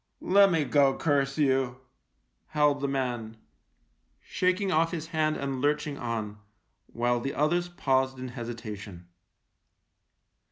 " Lemme go, curse you," howled the man, shaking off his hand and lurching on — while the others paused in hesitation.